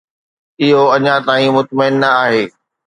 اهو اڃا تائين مطمئن نه آهي.